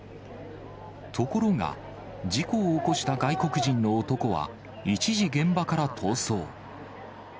ところが、事故を起こした外国人の男は一時現場から逃走。